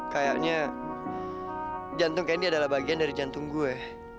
kayaknya jantung candy adalah bagian dari jantung gue